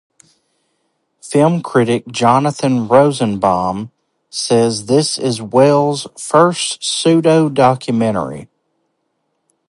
Film critic Jonathan Rosenbaum says this is Welles' first pseudo-documentary.